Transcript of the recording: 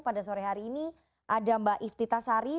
pada sore hari ini ada mbak iftitha sari